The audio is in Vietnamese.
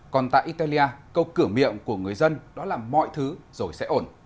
còn tại italia câu cửa miệng của người dân đó là mọi thứ rồi sẽ ổn